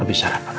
abis sarapan aja